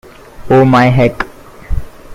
Oh my Heck!